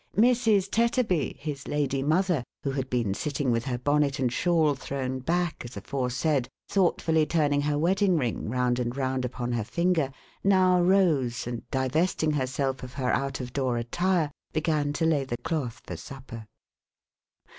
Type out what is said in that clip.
Mrs. Tetterby, his lady mother, who had been sitting with her bonnet and shawl thrown back, as aforesaid, thoughtfully turning her wedding ring round and round upon her finger, now rose, and divesting herself of her out of door attire, began to lay the cloth for supper.